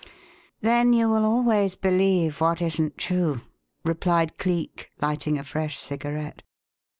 "Then, you will always believe what isn't true," replied Cleek, lighting a fresh cigarette.